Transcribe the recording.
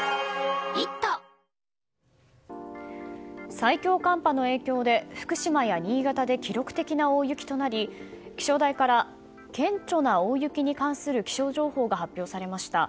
最強寒波の影響で福島や新潟で記録的な大雪となり気象台から顕著な大雪に関する気象情報が発表されました。